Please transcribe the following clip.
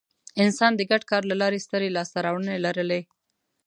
انسان د ګډ کار له لارې سترې لاستهراوړنې لرلې.